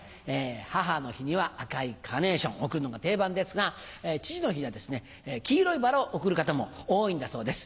母の日には赤いカーネーション贈るのが定番ですが父の日には黄色いバラを贈る方も多いんだそうです。